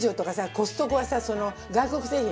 コストコはさ外国製品ね。